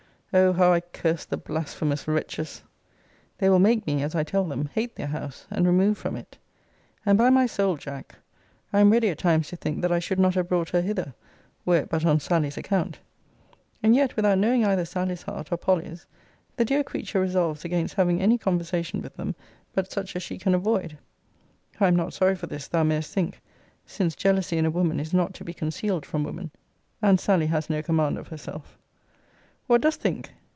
O how I cursed the blasphemous wretches! They will make me, as I tell them, hate their house, and remove from it. And by my soul, Jack, I am ready at times to think that I should not have brought her hither, were it but on Sally's account. And yet, without knowing either Sally's heart, or Polly's, the dear creature resolves against having any conversation with them but such as she can avoid. I am not sorry for this, thou mayest think; since jealousy in a woman is not to be concealed from woman. And Sally has no command of herself. What dost think!